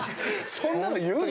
そんなの言うの？